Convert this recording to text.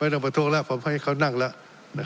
ไม่ต้องประโยชน์ล่ะผมให้เขานั่งล่ะนะครับ